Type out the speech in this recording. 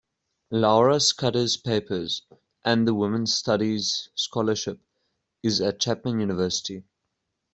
Laura Scudder's Papers and the Women's Studies Scholarship is at Chapman University.